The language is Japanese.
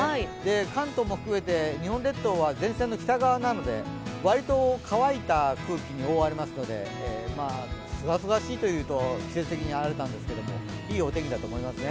関東も含めて日本列島は前線の北側なので、割と乾いた空気に覆われますので、すがすがしいというと、季節的にあれなんですけど、いいお天気だと思います。